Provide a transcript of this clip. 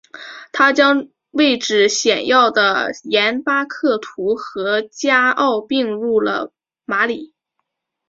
他将位置显要的廷巴克图和加奥并入了马里。